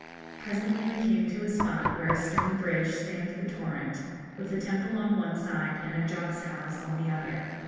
Presently we came to a spot where a stone bridge spanned the torrent, with a temple on one side and a joss house on the other.